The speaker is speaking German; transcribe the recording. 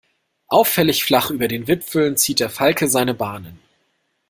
Auffällig flach über den Wipfeln zieht der Falke seine Bahnen.